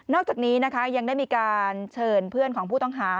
อกจากนี้นะคะยังได้มีการเชิญเพื่อนของผู้ต้องหา